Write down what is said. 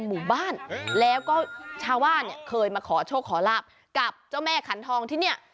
หมู่บ้านแล้วก็ชาวบ้านเนี่ยเคยมาขอโชคขอลาบกับเจ้าแม่ขันทองที่เนี่ย